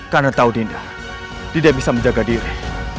karena tahu dinda tidak bisa menjaga diri